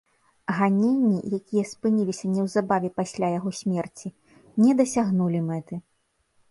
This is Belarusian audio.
Ганенні, якія спыніліся неўзабаве пасля яго смерці, не дасягнулі мэты.